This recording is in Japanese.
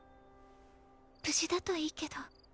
無事だといいけど。